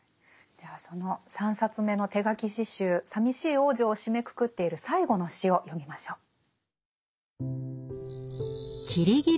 ではその３冊目の手書き詩集「さみしい王女」を締めくくっている最後の詩を読みましょう。